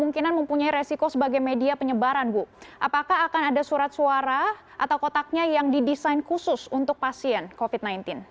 apakah sebagai media penyebaran bu apakah akan ada surat suara atau kotaknya yang didesain khusus untuk pasien covid sembilan belas